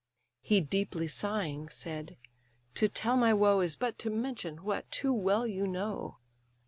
He deeply sighing said: "To tell my woe Is but to mention what too well you know.